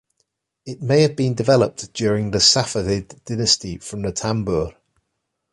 It may have been developed during the Safavid Dynasty from the tambur.